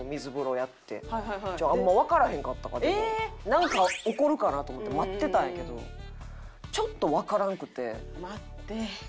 なんか起こるかなと思って待ってたんやけどちょっとわからんくて。